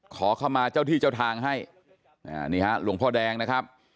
ขอเข้ามาเจ้าที่เจ้าทางให้นี่ฮะหลวงพ่อแดงนะครับ